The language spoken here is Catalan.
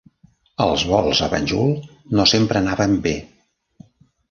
Els vols a Banjul no sempre anaven bé.